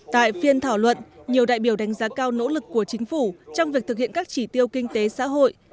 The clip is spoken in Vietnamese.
tại phiên thảo luận nhiều đại biểu đánh giá cao nỗ lực của chính phủ trong việc thực hiện các chỉ tiêu kinh tế xã hội